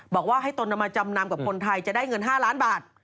บอกว่าให้ตนเอามาจำนำกับคนไทยจะได้เงิน๕ล้านบาท